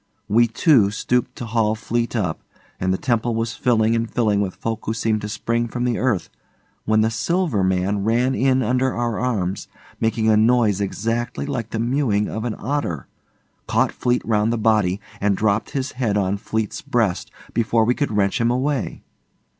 We two stooped to haul Fleete up, and the temple was filling and filling with folk who seemed to spring from the earth, when the Silver Man ran in under our arms, making a noise exactly like the mewing of an otter, caught Fleete round the body and dropped his head on Fleete's breast before we could wrench him away.